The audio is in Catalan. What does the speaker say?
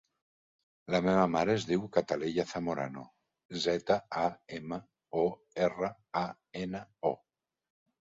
La meva mare es diu Cataleya Zamorano: zeta, a, ema, o, erra, a, ena, o.